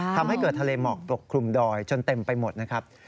ทำให้เกิดทะเลหมอกปกคลุมดอยจนเต็มไปหมดนะครับ